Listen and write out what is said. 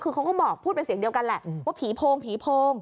คือเขาก็บอกพูดเป็นเสียงเดียวกันแหละว่าผีโพงผีโพง